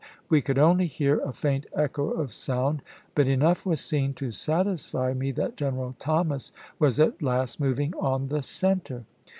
We could only hear a faint echo of sound, but enough was seen to satisfy me that General Thomas was at last mov ing on the center."